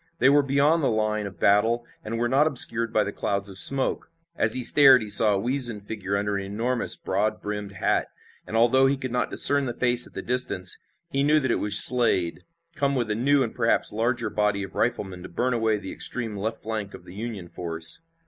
They were beyond the line of battle and were not obscured by the clouds of smoke. As he stared he saw a weazened figure under an enormous, broad brimmed hat, and, although he could not discern the face at the distance, he knew that it was Slade, come with a new and perhaps larger body of riflemen to burn away the extreme left flank of the Union force.